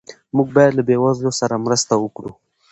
موږ باید له بې وزلو سره مرسته وکړو.